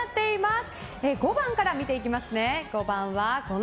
５番から見ていきます。